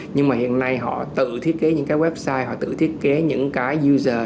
nhưng mà hiện nay họ tự thiết kế những cái website họ tự thiết kế những cái uzer